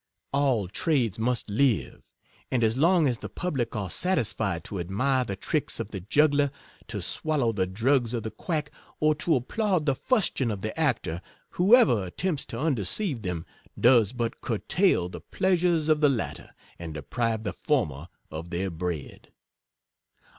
All trades must live ; and as long as the public are satisfied to ad mire the tricks of the juggler, to swallow the drugs of the quack, or to applaud the fustian of the actor, whoever attempts to undeceive them, does but curtail the pleasures of the latter, and deprive the former of their bread.